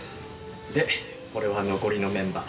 でこれは残りのメンバー。